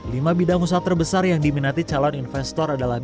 lima bidang usaha terbesar yang diminati calon investor adalah